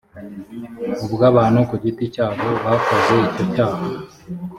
ubw abantu ku giti cyabo bakoze icyo cyaha